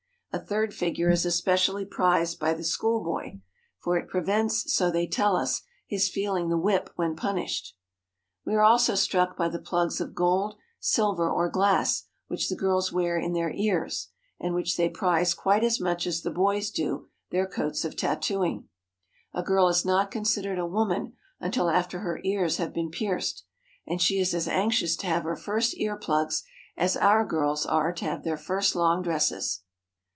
A third figure is especially prized by the schoolboy ; for it prevents, so they tell us, his feeling the whip when punished. We are also struck by the plugs of gold, silver, or glass which the girls wear in their ears and which they prize quite as much as the boys do their coats of tattooing. A girl is not considered a woman until after her ears have been pierced, and she is as anxious to have her first ear plugs as our girls are to have their first long dresses.